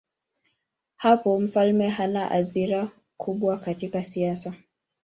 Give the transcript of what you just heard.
Hapo mfalme hana athira kubwa katika siasa.